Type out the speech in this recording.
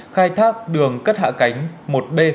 khai thác đường cất hạ cánh một b